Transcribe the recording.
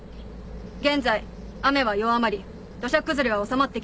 現在雨は弱まり土砂崩れは収まってきている。